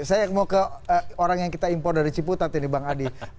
saya mau ke orang yang kita impor dari ciputat ini bang adi